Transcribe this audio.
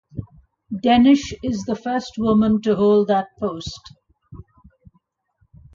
Denish is the first woman to hold that post.